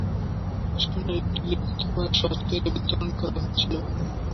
এই ভাষণের একটি লিখিত ভাষ্য অচিরেই বিতরণ করা হয়েছিল।